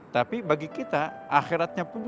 tapi bagi kita yang di dalam kebijakan ini